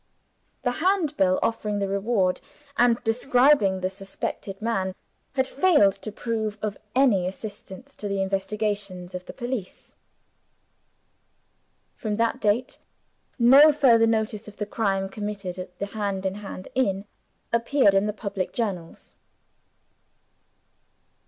The Handbill offering the reward, and describing the suspected man, had failed to prove of any assistance to the investigations of the police. From that date, no further notice of the crime committed at the Hand in Hand inn appeared in the public journals.